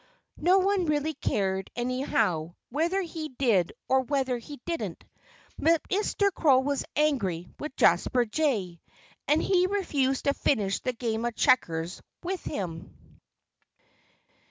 No one really cared, anyhow, whether he did or whether he didn't. But Mr. Crow was angry with Jasper Jay. And he refused to finish the game of checkers with him.